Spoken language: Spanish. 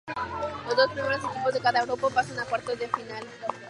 Los dos primeros equipos de cada grupo pasan a cuartos de final.